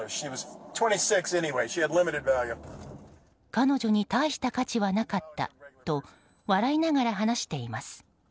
彼女に大した価値はなかったと笑いながら話しています。